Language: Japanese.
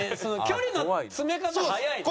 距離の詰め方早いね。